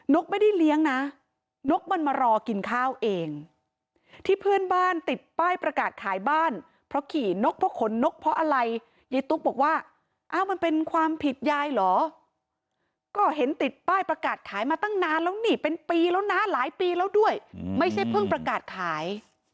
กไม่ได้เลี้ยงนะนกมันมารอกินข้าวเองที่เพื่อนบ้านติดป้ายประกาศขายบ้านเพราะขี่นกเพราะขนนกเพราะอะไรยายตุ๊กบอกว่าอ้าวมันเป็นความผิดยายเหรอก็เห็นติดป้ายประกาศขายมาตั้งนานแล้วนี่เป็นปีแล้วนะหลายปีแล้วด้วยไม่ใช่เพิ่งประกาศขาย